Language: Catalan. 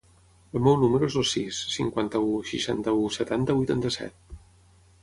El meu número es el sis, cinquanta-u, seixanta-u, setanta, vuitanta-set.